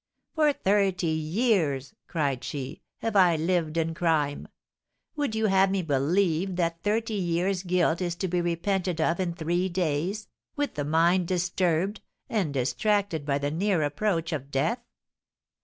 "For thirty years," cried she, "have I lived in crime; would you have me believe that thirty years' guilt is to be repented of in three days, with the mind disturbed and distracted by the near approach of death?